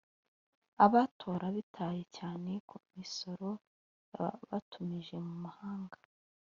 abatora bitaye cyane ku misoro yatumijwe mu mahanga